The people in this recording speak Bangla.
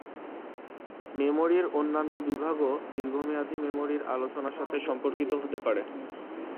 মেমরির অন্যান্য বিভাগও দীর্ঘমেয়াদী মেমরির আলোচনার সাথে সম্পর্কিত হতে পারে।